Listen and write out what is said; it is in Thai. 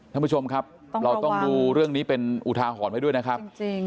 ท่านผู้ชมครับเราต้องดูเรื่องนี้เป็นอุทาหรณ์ไว้ด้วยนะครับ